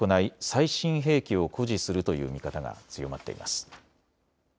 最新兵器を誇示するという見方が強まっています。